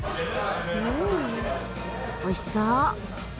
おいしそう！